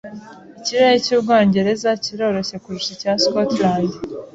Ikirere cy'Ubwongereza kiroroshye kurusha icya Scotland.